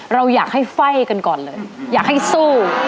เราอยากให้ไฟ่กันก่อนเลยอยากให้สู้